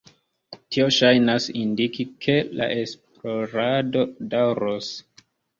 Tio ŝajnas indiki, ke la esplorado daŭros.